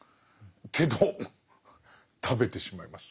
けど食べてしまいます。